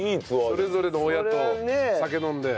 それぞれの親と酒飲んで。